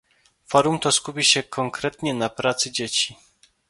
Forum to skupi się konkretnie na pracy dzieci